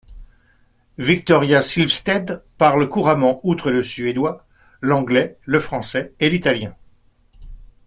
Victoria Silvstedt parle couramment, outre le suédois, l'anglais, le français et l'italien.